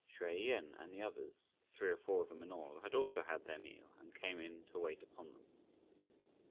Hsüeh Yen and the others, three or four of them in all, had also had their meal, and came in to wait upon them.